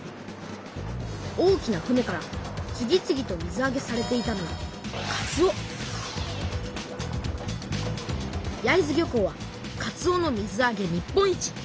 大きな船から次々と水あげされていたのは焼津漁港はかつおの水あげ日本一。